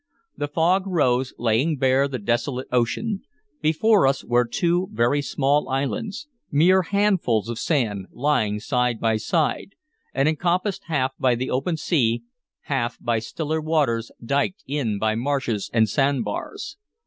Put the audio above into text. The fog rose, laying bare the desolate ocean. Before us were two very small islands, mere handfuls of sand, lying side by side, and encompassed half by the open sea, half by stiller waters diked in by marshes and sand bars.